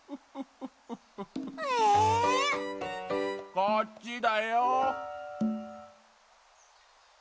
こっちだよ。